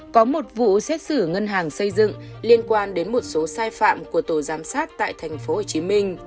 có một vụ xét xử ngân hàng xây dựng liên quan đến một số sai phạm của tổ giám sát tại tp hcm